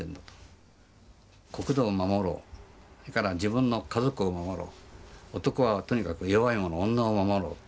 国土を守ろうそれから自分の家族を守ろう男はとにかく弱い者女を守ろう。